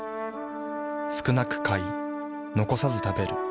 少なく買い残さず食べる。